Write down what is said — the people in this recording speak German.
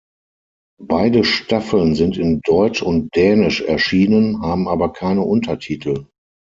Beide Staffeln sind in deutsch und dänisch erschienen, haben aber keine Untertitel.